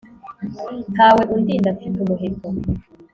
Nta we undinda mfite umuheto,